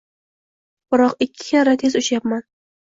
biroq ikki karra tez uchayapman